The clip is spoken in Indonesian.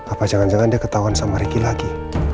apa jangan jangan dia ketahuan sama ricky lagi